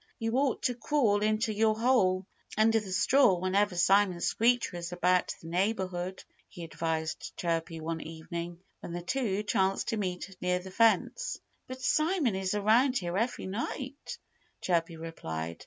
"You ought to crawl into your hole under the straw whenever Simon Screecher is about the neighborhood," he advised Chirpy one evening, when the two chanced to meet near the fence. "But Simon is around here every night," Chirpy replied.